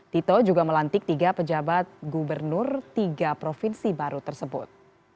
tito juga melantik tiga pejabat gubernur tiga provinsi baru tersebut